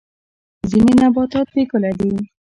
ځینې نباتات بې ګله دي